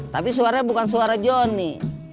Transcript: tapi suaranya bukan suara johnny